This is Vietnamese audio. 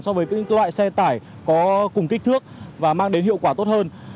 so với các loại xe tải có cùng kích thước và mang đến hiệu quả tốt hơn